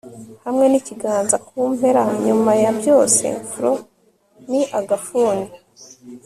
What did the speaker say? hamwe n'ikiganza ku mpera. nyuma ya byose, fro ni agafuni